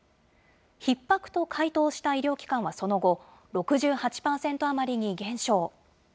ひっ迫と回答した医療機関はその後、６８％余りに減少。